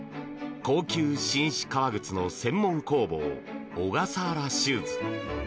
高級紳士革靴の専門工房小笠原シューズ。